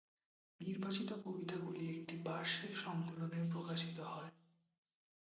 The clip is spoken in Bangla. নির্বাচিত কবিতাগুলি একটি বার্ষিক সংকলনে প্রকাশিত হয়।